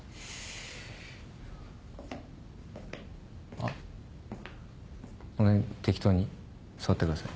あその辺適当に座ってください。